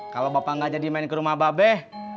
kalau bapak enggak jadi main ke rumah babeh